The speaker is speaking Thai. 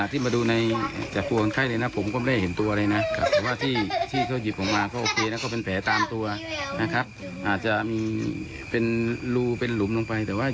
ที่อำเภอนายงที่ตำบลละหมอหมู่ก้าว